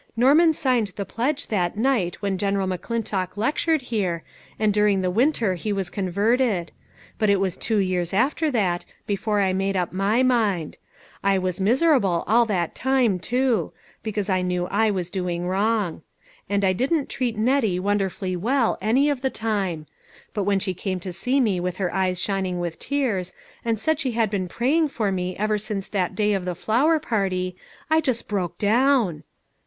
Norman signed the pledge that night when Gen eral McClintock lectured here, and during the winter he was converted ; but it was two years after that before I made up my mind. I was miserable all that time, too ; because I knew I was doing wrong. And I didn't treat Nettie 436 LITTLE FISHEES: AND THEIR NETS. wonderfully well any of the time ; but when she came to me with her eyes shining with tears, and said she had been praying for me ever since that day of the flower party, I just broke down.